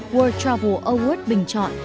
world travel award bình chọn